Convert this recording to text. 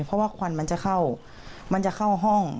เพราะว่าควันมันจะเข้ามันจะเข้าห้อง